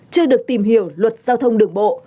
chưa được tìm hiểu luật giao thông đường bộ